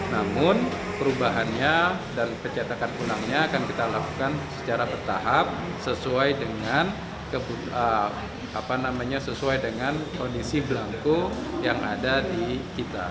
namun perubahannya dan pencetakan unangnya akan kita lakukan secara bertahap sesuai dengan kondisi berangku yang ada di kita